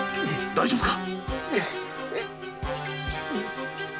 大丈夫か？